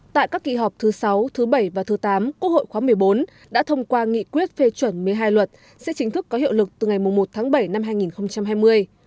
tại các kỳ họp thứ sáu thứ bảy và thứ tám quốc hội khóa một mươi bốn đã thông qua nghị quyết phê chuẩn một mươi hai luật sẽ chính thức có hiệu lực từ ngày một tháng bảy năm hai nghìn hai mươi